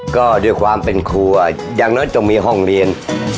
ก็ด้วยความเป็นครัวอย่างน้อยจงมีห้องเรียน